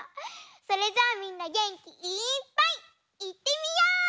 それじゃあみんなげんきいっぱいいってみよう！